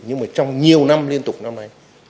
nhưng mà trong nhiều năm liên tục năm nay